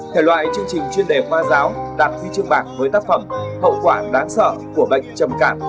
thể loại chương trình chuyên đề khoa giáo đạt huy chương bạc với tác phẩm hậu quả đáng sợ của bệnh trầm cảm